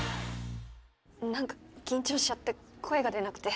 何か緊張しちゃって声が出なくて。